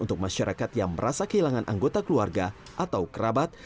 untuk masyarakat yang merasa kehilangan anggota keluarga atau kerabat